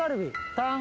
タン。